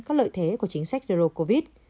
các lợi thế của chính sách rero covid